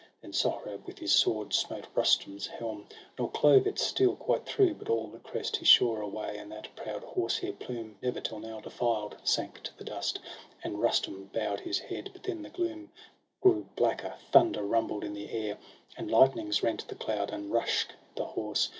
Then Sohrab with his sword smote Rustum's helm, Nor clove its steel quite through ; but all the crest He shore away, and that proud horsehair plume. Never till now defiled, sank to the dust; And Rustum bow'd his head; but then the gloom Grew blacker, thunder rumbled in the air, And lightnings rent the cloud; and Ruksh, the horse.